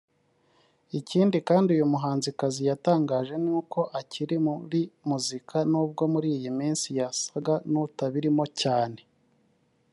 Ikindi kandi uyu muhanzikazi yatangaje ni uko akiri muri muzika nubwo muri iyi minsi yasaga n'utabirimo cyane